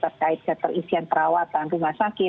terkait keterisian perawatan rumah sakit